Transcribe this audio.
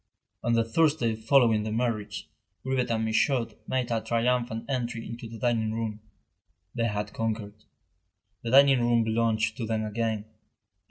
On the Thursday following the marriage, Grivet and Michaud made a triumphant entry into the dining room. They had conquered. The dining room belonged to them again.